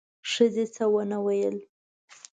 ښځې څه ونه ویل: